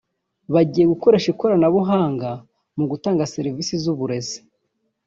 bagiye gukoresha ikoranabuhanga mu gutanga serivisi z’uburezi